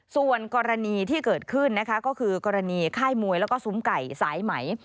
ส่วนกรณีที่เกิดขึ้นนะคะก็คือกรณีค่ายมวยแล้วก็ซุ้มไก่สายไหม